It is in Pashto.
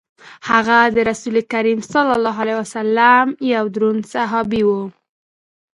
هغه د رسول کریم صلی الله علیه وسلم یو دروند صحابي وو.